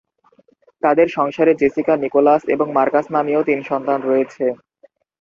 তাদের সংসারে Jessica, Nicholas এবং মার্কাস নামীয় তিন সন্তান রয়েছে।